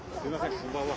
こんばんは。